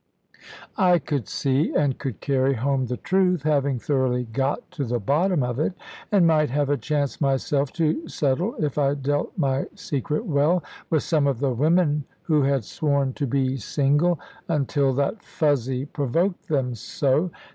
I could see, and could carry home the truth, having thoroughly got to the bottom of it; and might have a chance myself to settle, if I dealt my secret well, with some of the women who had sworn to be single, until that Fuzzy provoked them so.